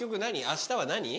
あしたは何？